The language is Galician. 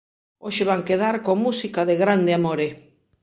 Hoxe van quedar coa música de Grande Amore.